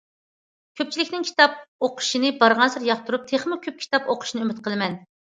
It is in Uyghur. كۆپچىلىكنىڭ كىتاب ئوقۇشنى بارغانسېرى ياقتۇرۇپ تېخىمۇ كۆپ كىتاب ئوقۇشىنى ئۈمىد قىلىمەن.